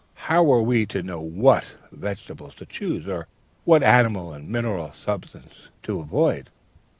How are we to know what vegetables to choose, or what animal and mineral substances to avoid?'